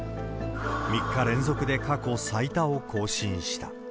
３日連続で過去最多を更新した。